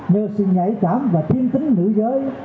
nhờ sự nhảy cảm và thiên tính nữ giới